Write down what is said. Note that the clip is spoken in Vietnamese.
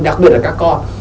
đặc biệt là các con